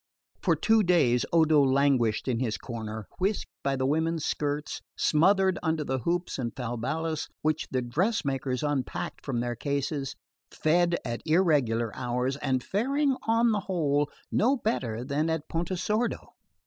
For two days Odo languished in his corner, whisked by the women's skirts, smothered under the hoops and falbalas which the dressmakers unpacked from their cases, fed at irregular hours, and faring on the whole no better than at Pontesordo.